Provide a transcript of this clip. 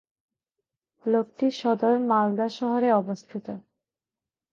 লোকটি সদর মালদা শহরে অবস্থিত।